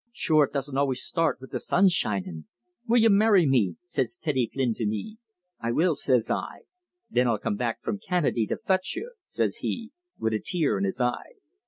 Shure, it doesn't always shtart wid the sun shinin.' 'Will ye marry me?' says Teddy Flynn to me. 'I will,' says I. 'Then I'll come back from Canaday to futch ye,' says he, wid a tear in his eye.